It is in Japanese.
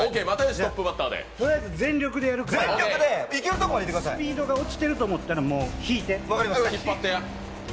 とりあえず全力でやるからスピードが落ちてると思ったらもう引いて。